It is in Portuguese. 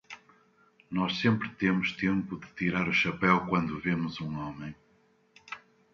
Nós sempre temos tempo de tirar o chapéu quando vemos um homem.